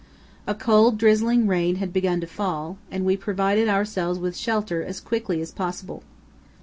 A cold, drizzling rain had begun to fall, and we provided ourselves with shelter as quickly as possible.